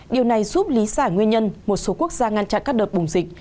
điều này giúp lý giải nguyên nhân một số quốc gia ngăn chặn các đợt bùng dịch